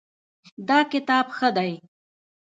دا کتاب ښه دی